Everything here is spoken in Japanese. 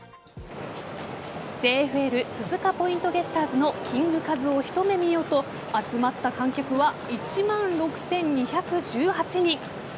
ＪＦＬ鈴鹿ポイントゲッターズのキング・カズを一目見ようと集まった観客は１万６２１８人。